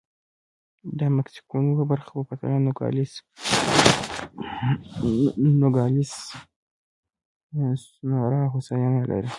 د مکسیکو نورو برخو په پرتله نوګالس سونورا هوساینه لري.